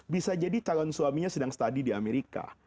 bisa jadi calon suaminya sedang study di amerika